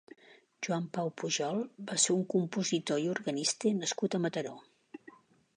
Joan Pau Pujol va ser un compositor i organista nascut a Mataró.